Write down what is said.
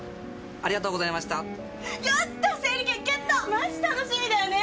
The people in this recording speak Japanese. マジ楽しみだよね